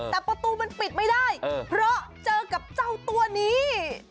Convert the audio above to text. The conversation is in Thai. แต่ประตูมันปิดไม่ได้เพราะเจอกับเจ้าตัวนี้